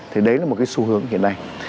thì đấy là một cái xu hướng hiện nay